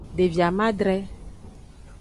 Devi amadre.